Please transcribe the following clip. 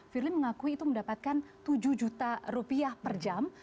firly mengakui itu mendapatkan tujuh juta rupiah per jam